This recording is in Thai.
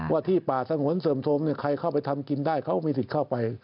ว่าที่ป่าสงวนเสื่อมโทรมใครเข้าไปทำกินได้เขามีสิทธิ์เข้าไป